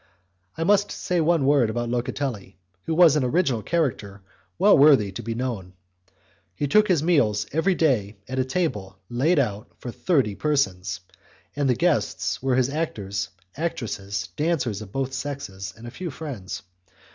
I must say one word about Locatelli, who was an original character well worthy to be known. He took his meals every day at a table laid out for thirty persons, and the guests were his actors, actresses, dancers of both sexes, and a few friends.